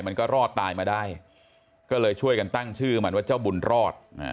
มันก็รอดตายมาได้ก็เลยช่วยกันตั้งชื่อมันว่าเจ้าบุญรอด